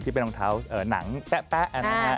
ที่เป็นรองเท้านางแป๊ะอันนั้นนะครับ